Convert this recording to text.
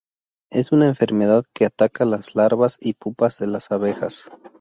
Es una enfermedad que ataca las larvas y pupas de las abejas.